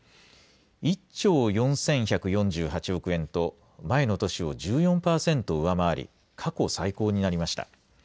１兆４１４８億円と、前の年を１４％上回り、過去最高になりました。